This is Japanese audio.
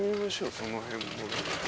その辺も。